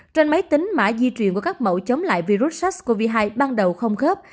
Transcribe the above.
trên máy tính mã di truyền của các mẫu chống lại virus sars cov hai ban đầu không khớp